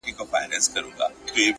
مُلا مي په زر ځله له احواله دی پوښتلی!